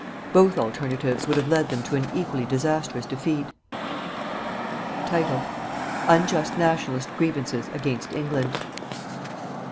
Both alternatives would have led them to an equally disastrous defeat. UNJUST "NATIONALIST" GRIEVANCES AGAINST ENGLAND.